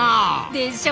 でしょ？